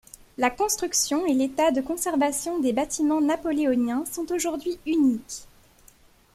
La construction et l'état de conservation des bâtiments napoléoniens sont aujourd'hui uniques.